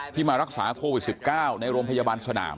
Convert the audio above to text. มารักษาโควิด๑๙ในโรงพยาบาลสนาม